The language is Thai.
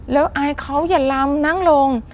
แล้วอายเขาอย่าลำนั่งลง